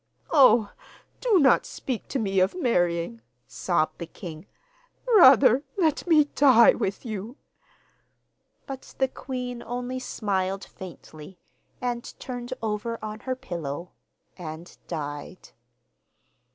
'Oh, do not speak to me of marrying,' sobbed the king; 'rather let me die with you!' But the queen only smiled faintly, and turned over on her pillow and died.